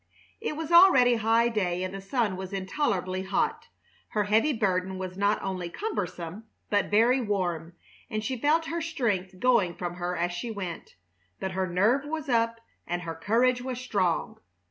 It was already high day, and the sun was intolerably hot. Her heavy burden was not only cumbersome, but very warm, and she felt her strength going from her as she went; but her nerve was up and her courage was strong.